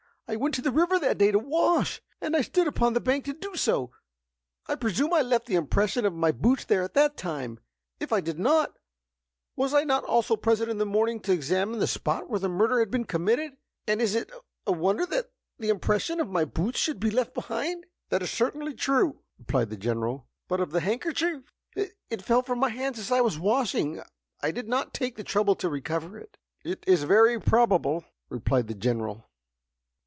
"I went to the river that day to wash, and I stood upon the bank to do so. I presume I left the impression of my boots there at that time. If I did not, was I not also present in the morning to examine the spot where the murder had been committed? And is it a wonder that the impression of my boots should be left behind?" "That is certainly true," replied the General. "But of the handkerchief?" "It fell from my hands as I was washing, and I did not take the trouble to recover it." "It is very probable!" replied the General.